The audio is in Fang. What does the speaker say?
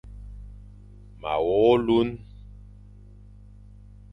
Ma wogh olune.